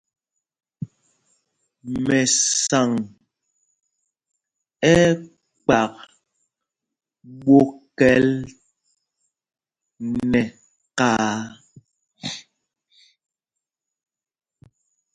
Mɛsaŋ ɛ́ ɛ́ kpak ɓwokɛl nɛ kaā.